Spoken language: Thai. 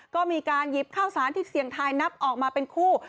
ก็มีการหยิบข้าวสารที่เสี่ยงทายนับออกมาเป็นคู่